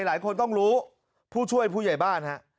หลายคนต้องรู้ผู้ช่วยผู้ใหญ่บ้านฮะ